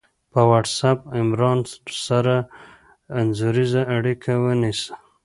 په وټس آپ عمران سره انځوریزه اړیکه ونیسه